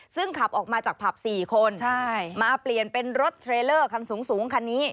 ซึ่งขับออกมาจากผับ๔คนมาเปลี่ยนเป็นรถเทรลเลอร์คันสูงคันนี้